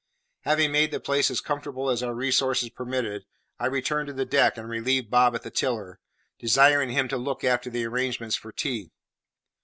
Having made the place as comfortable as our resources permitted, I returned to the deck and relieved Bob at the tiller, desiring him to look, after the arrangements for tea.